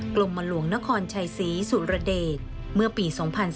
กรมหลวงนครชัยศรีสุรเดชเมื่อปี๒๔